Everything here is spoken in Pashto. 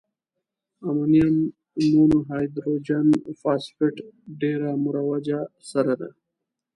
امونیم مونو هایدروجن فاسفیټ ډیره مروجه سره ده.